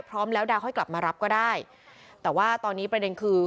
พร้อมแล้วดาวค่อยกลับมารับก็ได้แต่ว่าตอนนี้ประเด็นคือ